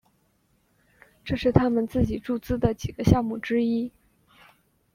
这是他们自己注资的几个项目之一。